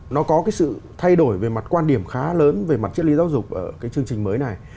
nó có cái sự thay đổi về mặt quan điểm khá lớn về mặt chất lý giáo dục ở cái chương trình mới này